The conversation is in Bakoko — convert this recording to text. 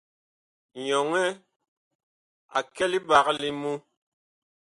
Nyɔnɛ a kɛ liɓag li ŋmu.